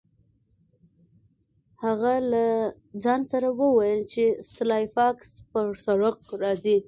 هغه له ځان سره وویل چې سلای فاکس پر سړک راځي